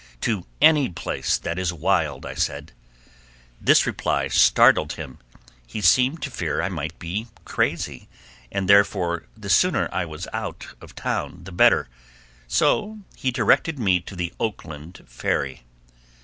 "To any place that is wild," I said. This reply startled him. He seemed to fear I might be crazy and therefore the sooner I was out of town the better, so he directed me to the Oakland ferry.